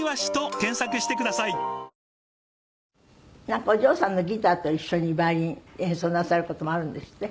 なんかお嬢さんのギターと一緒にヴァイオリン演奏なさる事もあるんですって？